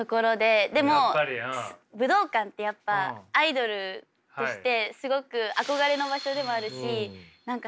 でも武道館ってやっぱアイドルとしてすごく憧れの場所でもあるし何か